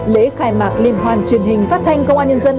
lễ khai mạc liên hoàn truyền hình phát thanh công an nhân dân